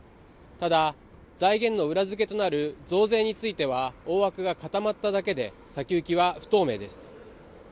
ただ、財源の裏付けとなる増税については大枠が固まっただけで、先行きは不透明です。